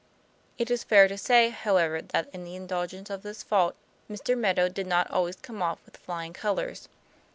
It is fair to say, however, that in the indulgence of this fault Mr. Meadow did not always come off with flying colors.